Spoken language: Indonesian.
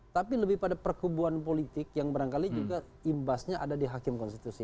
tapi lebih pada perkubuan politik yang barangkali juga imbasnya ada di hakim konstitusi